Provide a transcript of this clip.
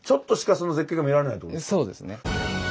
そうですね。